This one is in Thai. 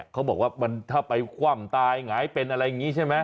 เขาบอกว่ามันถ้าไปคว่ำตายหงายเป็นอะไรอย่างนี้ใช่ไหม